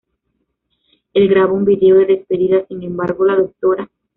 El graba un vídeo de despedida, sin embargo la Dra.